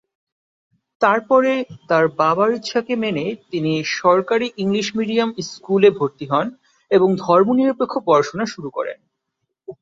তারপরে, তার বাবার ইচ্ছাকে মেনে তিনি সরকারী ইংলিশ মিডিয়াম স্কুলে ভর্তি হন এবং ধর্মনিরপেক্ষ পড়াশোনা শুরু করেন।